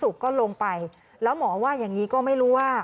ก็ลงไปแล้วหมอว่าอย่างนี้ก็ไม่รู้ว่า